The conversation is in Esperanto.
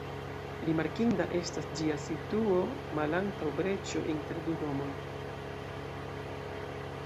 Rimarkinda estas ĝia situo malantaŭ breĉo inter du domoj.